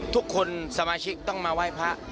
ทุกคนสมาชิกต้องมาไหว้พระ